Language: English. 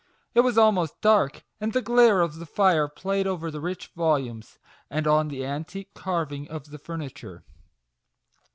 It was almost dark, and the glare of the fire played over the MAGIC WORDS. 33 rich volumes, and on the antique carving of the furniture.